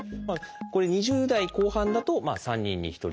これ２０代後半だと３人に１人。